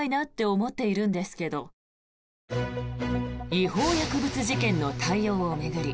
違法薬物事件の対応を巡り